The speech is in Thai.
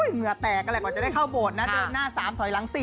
เหนือแตกก็แหละกว่าจะได้เข้าโบสถ์นะเดินหน้าสามถอยหลังสี่